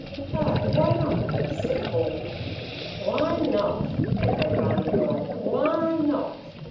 "Ay, why not?" said Paul. "Why not?" echoed Barney Bill. "Why not?